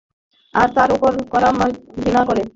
আর, তার ওপর এরা মাদ্রাজিদের ঘৃণা করে।